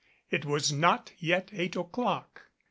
It was not yet eight o'clock.